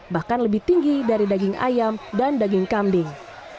bahkan lebih tinggi dari daging ayam dan daging kambing